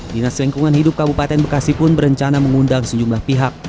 dinas lingkungan hidup kabupaten bekasi pun berencana mengundang sejumlah pihak